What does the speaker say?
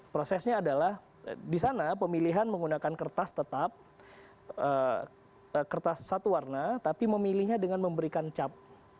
prosesnya adalah di sana pemilihan menggunakan kertas tetap kertas satu warna tapi memilihnya dengan memberikan cap